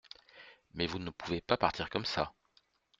Mais vous ne pouvez pas partir comme ça!